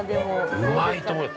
◆うまいと思うよ。